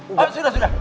oh sudah sudah